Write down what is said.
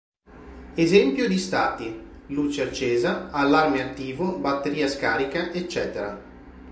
Esempio di stati: luce accesa, allarme attivo, batteria scarica, ecc.